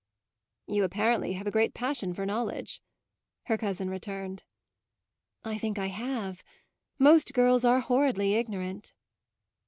"You apparently have a great passion for knowledge," her cousin returned. "I think I have; most girls are horridly ignorant."